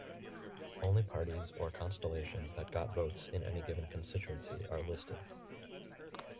Only parties or constellations that got votes in any given constituency are listed.